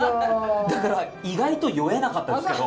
だから意外と酔えなかったですけど。